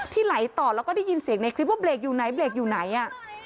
ไหลต่อแล้วก็ได้ยินเสียงในคลิปว่าเบรกอยู่ไหนเบรกอยู่ไหนอ่ะ